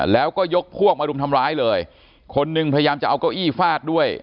แล้วก็ยกพวกมารุมทำร้ายเลยคนหนึ่งพยายามจะเอาเก้าอี้ฟาดด้วย